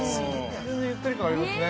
◆ゆったり感ありますね。